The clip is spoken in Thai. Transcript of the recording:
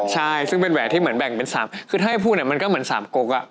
ใช่ซึ่งเป็นแหวนที่เหมือนแบ่งเป็น๓คือถ้าให้พูดเนี่ยมันก็เหมือนสามกก